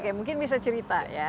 oke mungkin bisa cerita ya